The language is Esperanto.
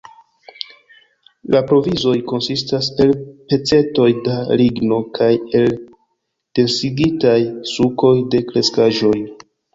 La provizoj konsistas el pecetoj da ligno kaj el densigitaj sukoj de kreskaĵoj.